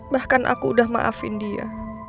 bahkan aku udah maafin dia